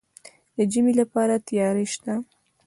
د ژمي لپاره تیاری شته؟